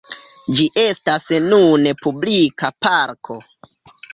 Ĝi estas nune publika parko.